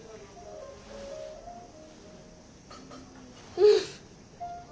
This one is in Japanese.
うん！